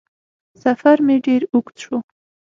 سفر مې ډېر اوږد شو